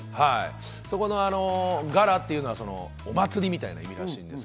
そこのガラというのはお祭りみたいな意味です。